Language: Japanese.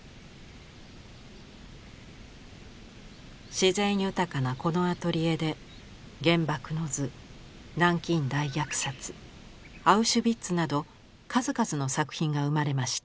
自然豊かなこのアトリエで「原爆の図」「南京大虐殺」「アウシュビッツ」など数々の作品が生まれました。